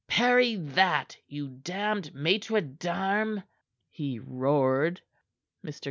"Parry that, you damned maitre d'armes" he roared. Mr.